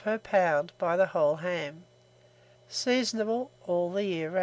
per lb. by the whole ham. Seasonable all the year.